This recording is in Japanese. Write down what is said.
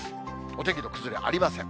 お天気の崩れありません。